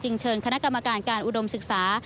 เชิญคณะกรรมการการอุดมศึกษา